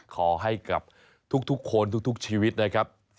ขอให้กับทุกคนทุกชีวิตนะครับ